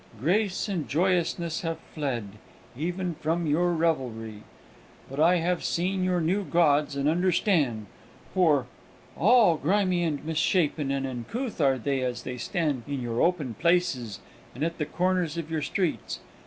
Grace and joyousness have fled even from your revelry! But I have seen your new gods, and understand: for, all grimy and mis shapen and uncouth are they as they stand in your open places and at the corners of your streets.